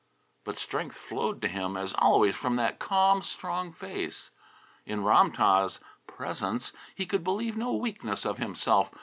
But strength flowed to him as always from that calm, strong face. In Ram tah's presence he could believe no weakness of himself.